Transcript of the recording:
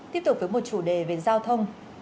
tiếp tục với một chủ đề về giao thông